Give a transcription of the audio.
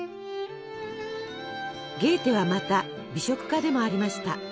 ゲーテはまた美食家でもありました。